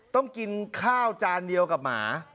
ต้องกินข้าวจานเดียวกับหมา